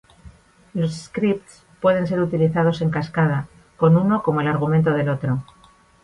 Los scripts pueden ser utilizados en cascada, con uno como el argumento de otro.